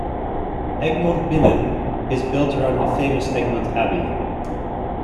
Egmond-Binnen is built around the famous Egmond Abbey.